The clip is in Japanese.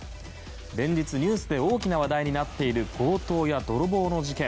連日、ニュースで大きな話題になっている強盗や泥棒の事件。